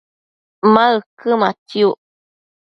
ma uquëmatsiuc?